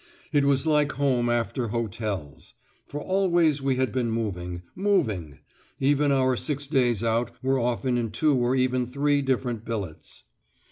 It was like home after hotels! For always we had been moving, moving; even our six days out were often in two or even three different billets.